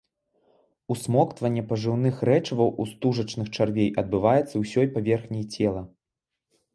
Усмоктванне пажыўных рэчываў у стужачных чарвей адбываецца ўсёй паверхняй цела.